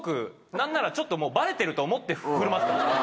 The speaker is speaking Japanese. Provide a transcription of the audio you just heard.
何ならちょっとバレてると思って振る舞ってたんですよ。